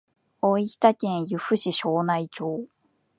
大分県由布市庄内町